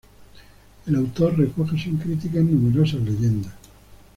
El autor recoge sin críticas numerosas leyendas.